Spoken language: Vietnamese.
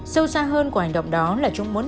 sâu xa hơn của hành động đó là chúng muốn